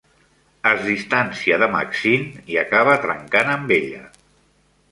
Es distancia de Maxine i acaba trencant amb ella.